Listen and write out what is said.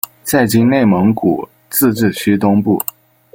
在今内蒙古自治区东部。